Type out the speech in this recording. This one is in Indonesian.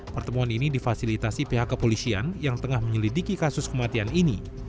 pertemuan ini difasilitasi pihak kepolisian yang tengah menyelidiki kasus kematian ini